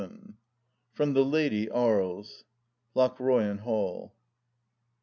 VII From The Lady Aries LocHEOYAN Hall.